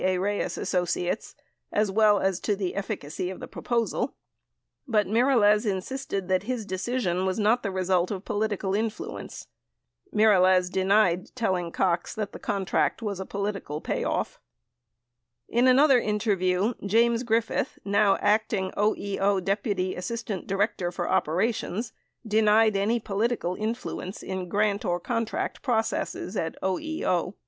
A. Reyes Associates as well as to the efficacy of its proposal, but Mirelez insisted that his decision was not the result of political influence. Mirelez denied he told Cox that the contract was a "political payoff." In another interview, James Griffith, now Acting OEO Deputy As sistant Director for Operations, denied any political influence in grant or contract processes at OEO.